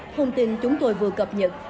thông tin chúng tôi vừa cập nhật